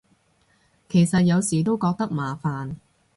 其實有時都覺得麻煩